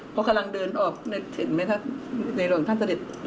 พวกเขารังเดินออกเห็นไหมท่านในหลวงท่านเสด็จ